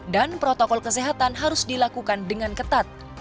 dan protokol kesehatan harus dilakukan dengan ketat